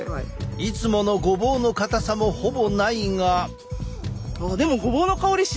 いつものごぼうのかたさもほぼないが。